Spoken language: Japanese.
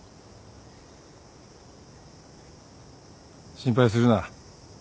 心配するな。